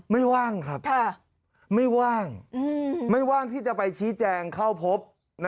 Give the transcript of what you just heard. ไม่ว่างครับไม่ว่างที่จะไปชี้แจงเข้าพบ